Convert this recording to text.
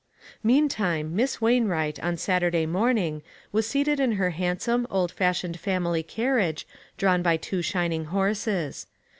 Meantime, Miss Wainwright, on Saturday morning, was seated in her handsome, old fashioned family carriage, drawn by two shin ing horses.